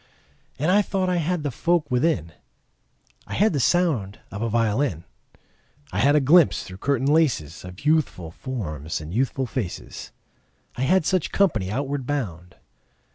And I thought I had the folk within: I had the sound of a violin; I had a glimpse through curtain laces Of youthful forms and youthful faces. I had such company outward bound.